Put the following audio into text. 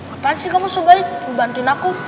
apaan sih kamu sobat bantuin aku